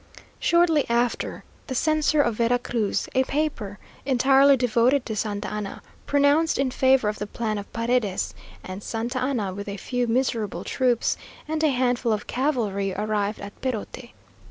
Shortly after, the Censor of Vera Cruz, a newspaper entirely devoted to Santa Anna, pronounced in favour of the plan of Paredes, and Santa Anna, with a few miserable troops, and a handful of cavalry, arrived at Perote.